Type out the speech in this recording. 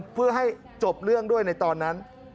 เพื่อให้จบเรื่องด้วยในตอนนั้น